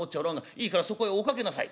いいからそこへお掛けなさい」。